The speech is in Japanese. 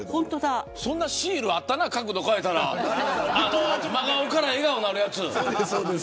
そんなシールあったな角度を変えたら真顔から笑顔になるやつ。